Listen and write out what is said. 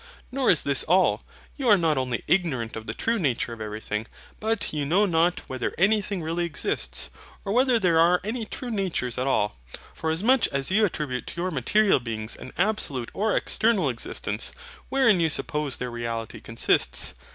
Nor is this all: you are not only ignorant of the true nature of everything, but you know not whether anything really exists, or whether there are any true natures at all; forasmuch as you attribute to your material beings an absolute or external existence, wherein you suppose their reality consists.